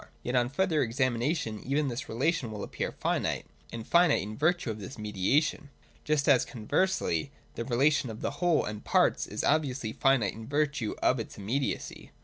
Yet, on further examination even this relation will appear finite, and finite in virtue of this me diation : just as, conversely, the relation of whole and parts is obviously finite in virtue of its immediacy.